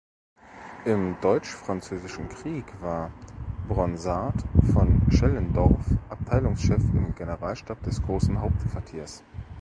Im Deutsch-Französischen Krieg war Bronsart von Schellendorff Abteilungschef im Generalstab des Großen Hauptquartiers.